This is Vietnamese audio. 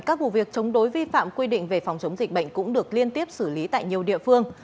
các vụ việc chống đối vi phạm quy định về phòng chống dịch bệnh cũng được liên tiếp xử lý tại nhiều địa phương